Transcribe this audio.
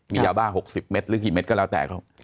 มียาบ้า๖๐เมตรหรือกี่เม็ดก็แล้วแต่